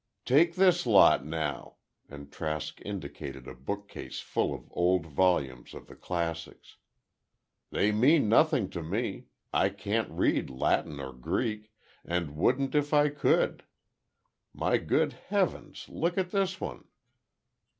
"Take this lot, now," and Trask indicated a bookcase full of old volumes of the classics. "They mean nothing to me—I can't read Latin or Greek, and wouldn't if I could. My good heavens! Look at this one!"